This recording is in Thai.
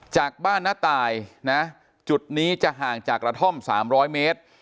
จากบ้านน้าตายนะจุดนี้จะห่างจากกระท่อม๓๐๐เมตร